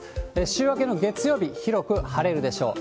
週明けの月曜日、広く晴れるでしょう。